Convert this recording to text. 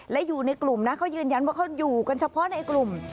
และอยู่ในกลุ่มนะเขายืนยันว่าเขาอยู่กันเฉพาะในกลุ่ม